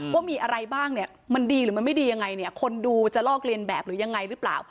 ว่ามีอะไรบ้างเนี่ยมันดีหรือมันไม่ดียังไงเนี่ยคนดูจะลอกเรียนแบบหรือยังไงหรือเปล่า